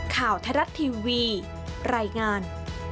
ข่าวไทยรัฐทีวีรายงาน